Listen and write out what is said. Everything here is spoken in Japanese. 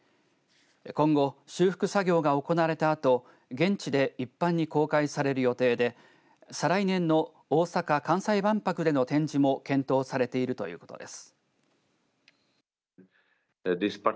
今後、修復作業が行われたあと現地で一般に公開される予定で再来年の大阪・関西万博での展示も検討されているということです。